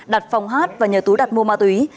đặt phòng hát và nhờ tú đặt mua ma túy